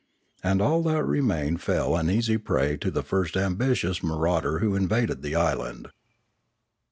And all that remained fell an easy prey to the first ambitious marauder who invaded the island.